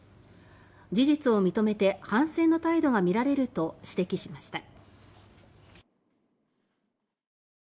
「事実を認めて反省の態度がみられる」と指摘しました。